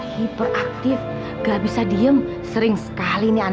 bisa maksudnya aku sudahfin reto abang yang